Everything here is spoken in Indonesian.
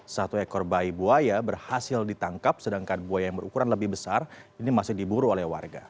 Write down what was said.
satu ekor bayi buaya berhasil ditangkap sedangkan buaya yang berukuran lebih besar ini masih diburu oleh warga